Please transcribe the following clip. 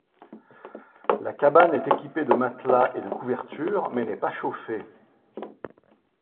La cabane est équipée de matelas et de couvertures mais n'est pas chauffée.